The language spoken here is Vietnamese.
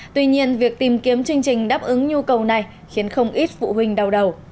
tuy nhiên việc tìm kiếm chương trình đáp ứng nhu cầu này khiến không ít phụ huynh đau đầu